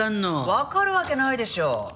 わかるわけないでしょう。